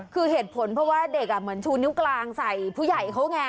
คือเหตุผลเพราะว่าเด็กเหมือนชูนิ้วกลางใส่ผู้ใหญ่เขาไง